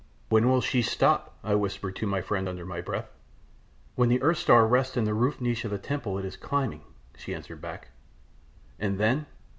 "When will she stop?" I whispered to my friend under my breath. "When the earth star rests in the roof niche of the temple it is climbing," she answered back. "And then?"